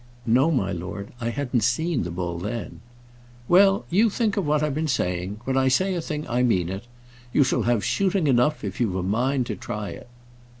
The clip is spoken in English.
"No, my lord. I hadn't seen the bull then." "Well; you think of what I've been saying. When I say a thing, I mean it. You shall have shooting enough, if you have a mind to try it."